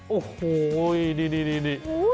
โอ้โหนี่นี่นี่